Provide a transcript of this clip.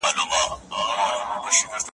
عدالت چي وي په لاس د شرمښانو .